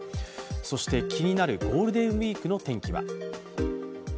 そして気になるゴールデンウイークの天気は？